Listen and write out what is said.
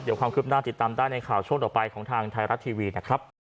เดี๋ยวความคืบหน้าติดตามได้ในข่าวช่วงต่อไปของทางไทยรัฐทีวีนะครับ